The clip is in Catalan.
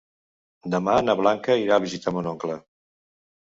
Demà na Blanca irà a visitar mon oncle.